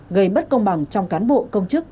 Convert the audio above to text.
gây bất công bằng trong cán bộ công chức